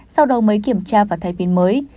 sau đó mới kiểm tra và thay pin mới